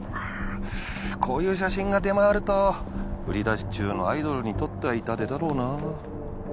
こういう写真が出回ると売り出し中のアイドルにとっては痛手だろうな